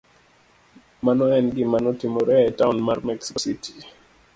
Mano e gima notimore e taon mar Mexico City.